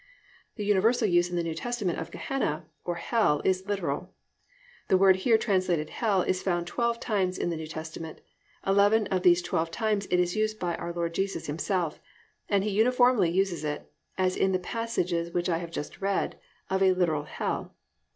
The universal use in the New Testament of "Gehenna" or "Hell" is literal. The word here translated "Hell" is found twelve times in the New Testament, eleven of these twelve times it is used by our Lord Jesus Himself, and He uniformly uses it, as in the passages which I have just read, of a literal hell.